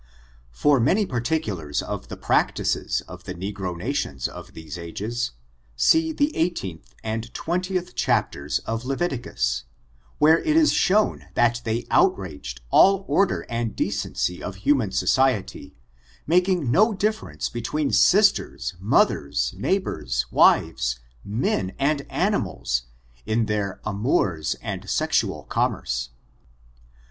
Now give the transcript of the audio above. For many particulars of the practices of the negro nations of these ages, see xviiith and xxth chapters of Leviticus, where it is shown that they outraged all order and decency of hiunan society, making no difference between sisters, mothers, neighbors, wives, men, and animals, in their amours and sexual com merce.